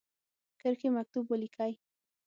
کرښې مکتوب ولیکی.